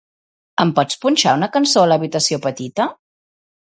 Em pots punxar una cançó a l'habitació petita?